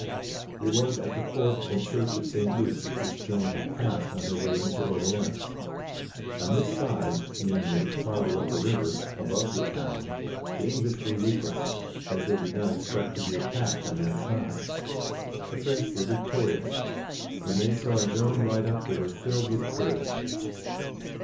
It was at the fort and Church of St. Loup, which Joan had passed on her way into Orleans. On this side, namely, farther up the river, above the town, the English were weakest, riding into Orleans under torchlight RIDES TO ORLEANS 39 as they did not expect to be attacked on that side. The French were victorious: when they saw Joan ride up they were filled with courage.